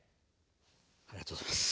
ありがとうございます。